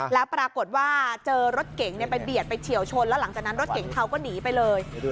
แล้วปรากฏว่าเจอรถเก๋งไปเบียดไปเฉียวชนแล้วหลังจากนั้นรถเก๋งเทาก็หนีไปเลย